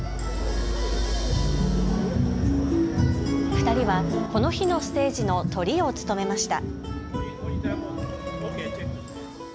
２人はこの日のステージのとりを務めました。